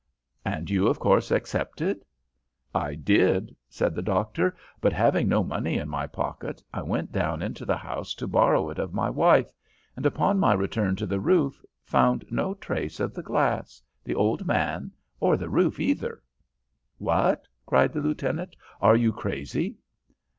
"And you, of course, accepted?" "I did," said the doctor; "but having no money in my pocket, I went down into the house to borrow it of my wife, and upon my return to the roof, found no trace of the glass, the old man, or the roof either." "What!" cried the lieutenant. "Are you crazy?"